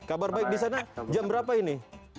kabar baik di sana jam berapa ini